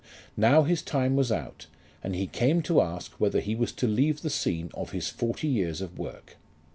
Now his time was out, and he came to ask whether he was to leave the scene of his forty years of work.